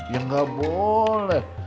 ya gak boleh